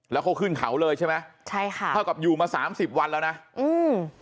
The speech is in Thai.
แล้วเขาขึ้นเขาเลยใช่ไหมใช่ค่ะเท่ากับอยู่มาสามสิบวันแล้วนะอืม